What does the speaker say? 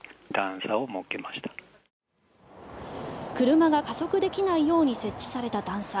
車が加速できないように設置された段差。